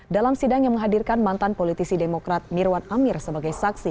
dalam sidang yang menghadirkan mantan politisi demokrat mirwan amir sebagai saksi